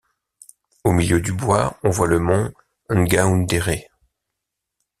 Au milieu du Bois, on voit le Mont Ngaoundéré.